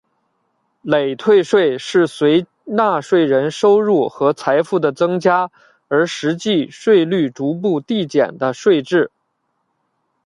累退税是随纳税人收入和财富的增加而实际税率逐步递减的税制。